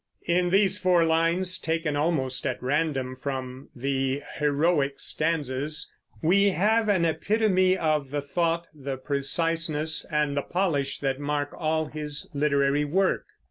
In these four lines, taken almost at random from the "Heroic Stanzas," we have an epitome of the thought, the preciseness, and the polish that mark all his literary work.